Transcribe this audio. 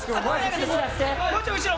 もうちょい後ろ。